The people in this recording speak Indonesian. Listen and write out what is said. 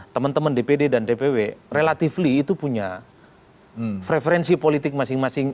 teman teman dpd dan dpw relatively itu punya preferensi politik masing masing